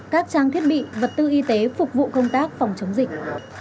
các trang thiết bị vật tư y tế phục vụ công tác phòng chống dịch